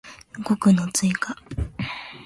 語句の追加